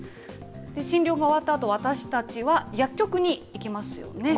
診療が終わったあと、私たちは薬局に行きますよね。